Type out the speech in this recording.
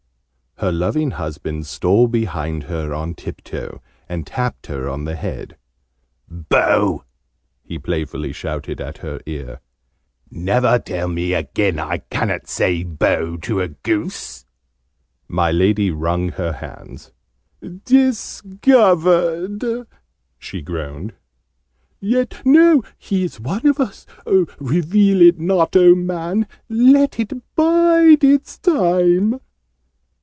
Her loving husband stole behind her on tiptoe, and tapped her on the head. "Boh!" he playfully shouted at her ear. "Never tell me again I ca'n't say 'boh' to a goose!" My Lady wrung her hands. "Discovered!" she groaned. "Yet no he is one of us! Reveal it not, oh Man! Let it bide its time!"